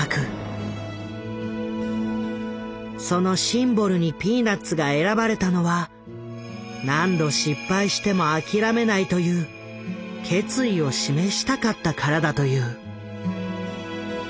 そのシンボルに「ピーナッツ」が選ばれたのはという決意を示したかったからだという。